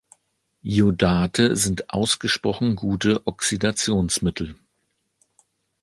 Iodate sind ausgesprochen gute Oxidationsmittel.